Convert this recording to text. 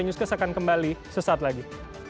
newscast akan kembali sesaat lagi